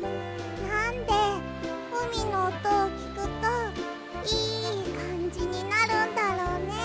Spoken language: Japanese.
なんでうみのおとをきくといいかんじになるんだろうね。